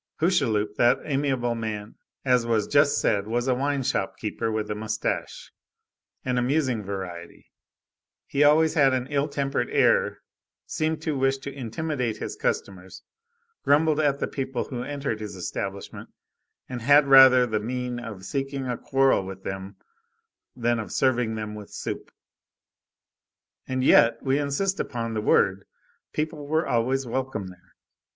Hucheloup, that amiable man, as was just said, was a wine shop keeper with a moustache; an amusing variety. He always had an ill tempered air, seemed to wish to intimidate his customers, grumbled at the people who entered his establishment, and had rather the mien of seeking a quarrel with them than of serving them with soup. And yet, we insist upon the word, people were always welcome there.